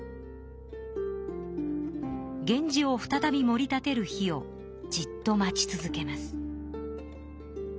源氏を再びもり立てる日をじっと待ち続けます。